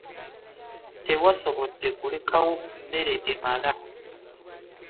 Tewasobodde kulekawo mmere emala.